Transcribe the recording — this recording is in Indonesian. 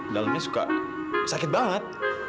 dalamnya suka sakit banget